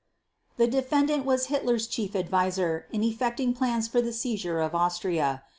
The defendant was Hitler's chief advisor in effecting plans for the seizure of Austria.